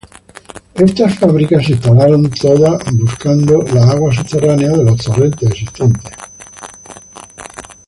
Estas fábricas se instalaron todo buscando las aguas subterráneas de los torrentes existentes.